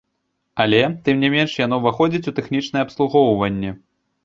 Але, тым не менш, яно ўваходзіць у тэхнічнае абслугоўванне!